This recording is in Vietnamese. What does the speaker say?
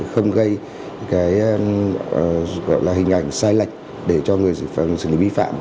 không gây hình ảnh sai lệch để cho người xử lý vi phạm